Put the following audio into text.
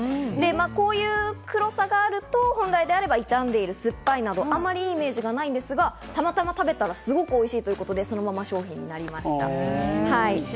こういう黒さがあると、本音であれば傷んでいる、すっぱいなど、あまりいいイメージがないんですが、たまたま食べたら、すごくおいしいということで、そのまま商品になりました。